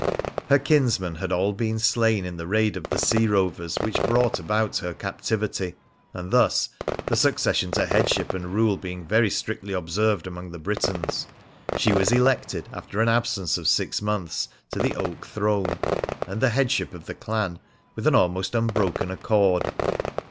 Her kinsmen had all been slain in the raid of the sea rovers which brought about her captivity, and thus — the succession to headship and rule being very strictly observed among the Britons— she was elected, after an absence of six months, to the oak throne and the headship of the clan with an almost unbroken accord.